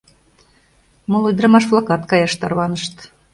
Моло ӱдырамаш-влакат каяш тарванышт.